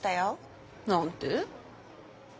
何て？